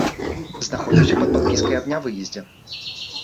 Знаходзіўся пад падпіскай аб нявыездзе.